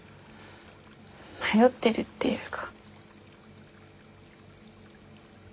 迷ってるっていうか。